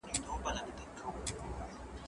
شپه مو نه ځي تر سهاره بې آذانه زندګي ده